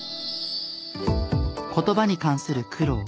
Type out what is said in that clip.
言葉に関する苦労。